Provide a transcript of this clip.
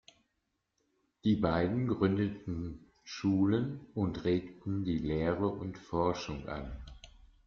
Die beiden gründeten Schulen und regten die Lehre und Forschung an.